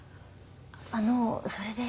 あのそれで？